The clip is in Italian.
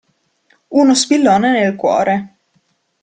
Uno spillone nel cuore!